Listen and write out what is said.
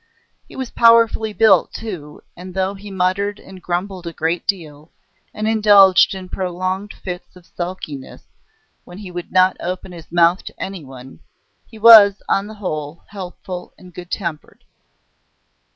He was powerfully built, too, and though he muttered and grumbled a great deal, and indulged in prolonged fits of sulkiness, when he would not open his mouth to anyone, he was, on the whole, helpful and good tempered.